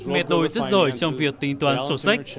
mẹ tôi rất giỏi trong việc tính toán sổ sách